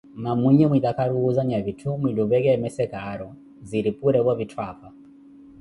Mamuinyi mwitakaru wuuzanya etthu mwilupee keemese caaro, ziri purevo vitthu apha.